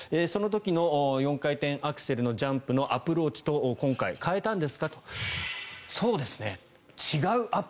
その時の４回転アクセルのジャンプのアプローチと今回変えたんですか？